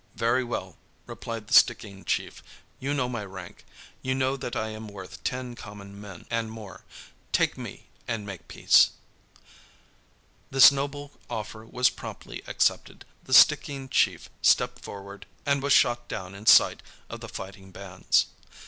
"Very well," replied the Stickeen chief, "you know my rank. You know that I am worth ten common men and more. Take me and make peace." This noble offer was promptly accepted; the Stickeen chief stepped forward and was shot down in sight of the fighting bands.